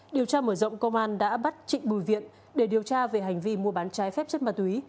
điều tra mở rộng công an đã bắt trịnh bùi viện để điều tra về hành vi mua bán trái phép chất ma túy